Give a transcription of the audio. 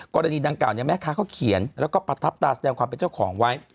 กรณีดังกล่าเนี่ยแม่ค้าเขาเขียนแล้วก็ประทับตาแสดงความเป็นเจ้าของไว้